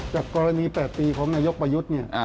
จากกรณี๘ปีของนายกประยุทธ์เนี่ย